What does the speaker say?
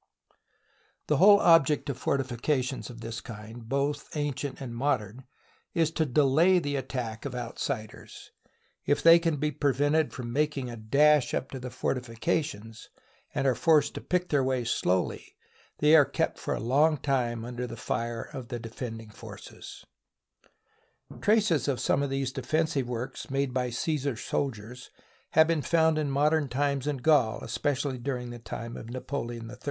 The whole object of fortifications of this kind, both ancient and modern, is to delay the attack of outsiders. If they can be prevented from making a dash up to the fortifications, and are forced to pick their way slowly, they are kept for a long time under the fire of the defending forces. SIEGE OF ALESIA Traces of some of these defensive works made by Csesar's soldiers have been found in modern times in Gaul, especially during the time of Napoleon III.